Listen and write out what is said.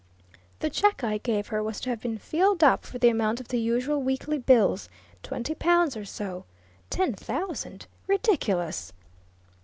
"The check I gave her was to have been filled up for the amount of the usual weekly bills twenty pounds or so. Ten thousand? Ridiculous!"